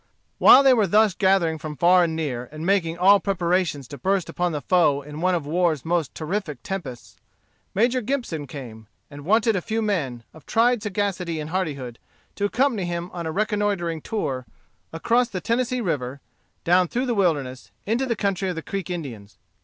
While they were thus gathering from far and near, and making all preparations to burst upon the foe in one of war's most terrific tempests, Major Gibson came, and wanted a few men, of tried sagacity and hardihood, to accompany him on a reconnoitring tour across the Tennessee River, down through the wilderness, into the country of the Creek Indians.